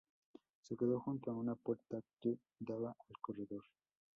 Se quedó junto a una puerta que daba al corredor.